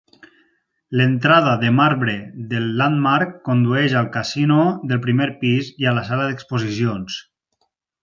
L'entrada de marbre del Landmark condueix al casino del primer pis i a la sala d'exposicions.